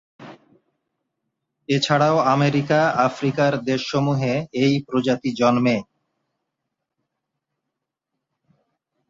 এছাড়াও আমেরিকা, আফ্রিকার দেশসমূহে এই প্রজাতি জন্মে।